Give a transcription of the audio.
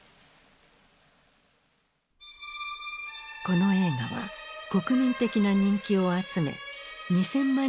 この映画は国民的な人気を集め２，０００万